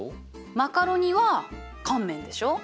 マカロニは乾麺でしょう。